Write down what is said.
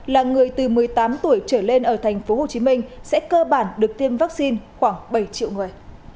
là người từ một mươi tám tuổi trở lên ở thành phố hồ chí minh sẽ cơ bản được tiêm vaccine khoảng bảy triệu người